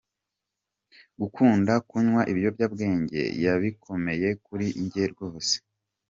Gukunda kunywa ibiyobyabwenge yabikomeye kuri njye rwose”.